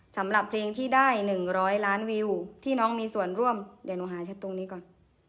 สำหรับเพลงที่ได้๑๐๐ล้านวิวที่น้องมีส่วนร่วมเดี๋ยวหนูหาชัดตรงนี้ก่อน